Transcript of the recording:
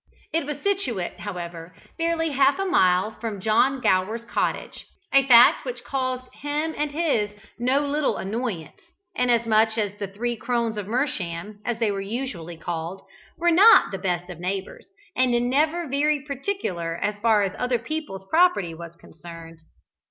It was situate, however, barely half a mile from John Gower's cottage, a fact which caused him and his no little annoyance, inasmuch as the three Crones of Mersham, as they were usually called, were not the best of neighbours, and never very particular as far as other people's property was concerned.